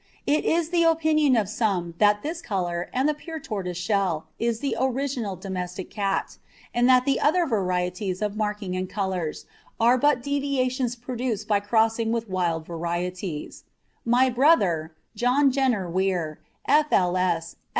It is the opinion of some that this colour and the pure tortoiseshell is the original domestic cat, and that the other varieties of marking and colours are but deviations produced by crossing with wild varieties. My brother, John Jenner Weir, F.L.